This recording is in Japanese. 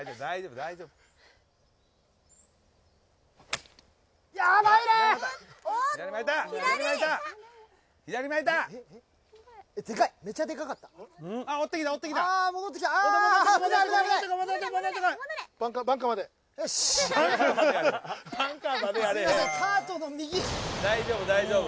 大丈夫大丈夫。